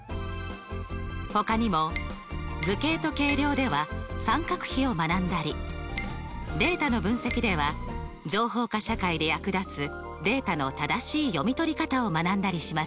ほかにも「図形と計量」では三角比を学んだり「データの分析」では情報化社会で役立つデータの正しい読み取り方を学んだりしますよ。